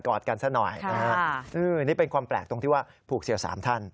กอดกันสักหน่อยนี่เป็นความแปลกตรงที่ว่าผูกเซียว๓ท่าน